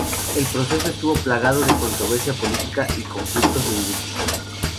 El proceso estuvo plagado de controversia política y los conflictos lingüísticos.